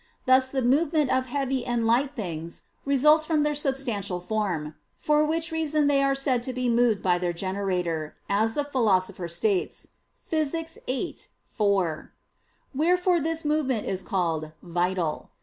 Thus the movement of heavy and light things results from their substantial form: for which reason they are said to be moved by their generator, as the Philosopher states (Phys. viii, 4). Wherefore this movement is called "vital."